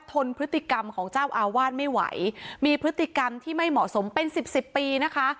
ทนพฤติกรรมของเจ้าอาวาสไม่ไหวมีพฤติกรรมที่ไม่เหมาะสมเป็นสิบสิบปีนะคะ